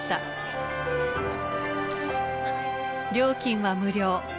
料金は無料。